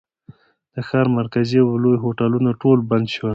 د ښار مرکزي او لوی هوټلونه ټول بند ول.